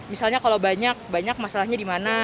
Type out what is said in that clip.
misalnya kalau banyak banyak masalahnya di mana